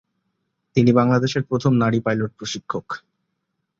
তিনি বাংলাদেশের প্রথম নারী পাইলট প্রশিক্ষক।